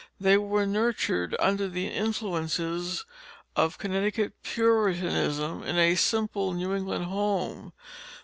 They were nurtured under the influences of Connecticut Puritanism, in a simple New England home.